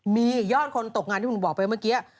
มียอดคนตกงานที่ผมบอกไปเมื่อกี้